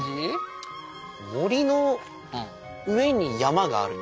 森の上に山がある。